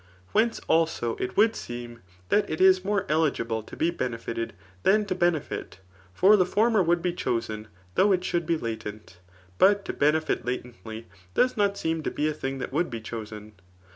Whence, also, it would seem diat it is more eligible to be benefited than to benefit ; for die former would be chosen though it should be latent^ but to benefit latendy does not seem to be a thing that would be chosen.